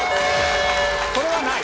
これはない。